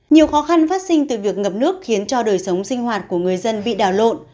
nhiều khó khăn phát sinh từ việc ngập nước khiến cho đời sống sinh hoạt của người dân bị đảo lộn